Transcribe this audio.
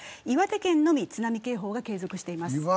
岩手県のみ津波警報が継続しています。